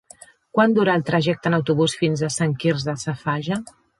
Quant dura el trajecte en autobús fins a Sant Quirze Safaja?